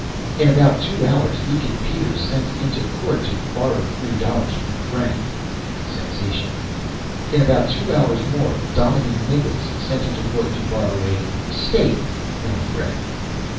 In about two hours Deacon Peters sent into court to borrow three dollars from a friend. [Sensation.] In about two hours more Dominie Miggles sent into court to borrow a "stake" from a friend.